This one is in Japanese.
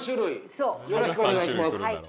よろしくお願いします。